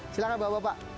silahkan bawa bapak